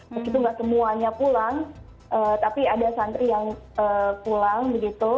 begitu nggak semuanya pulang tapi ada santri yang pulang begitu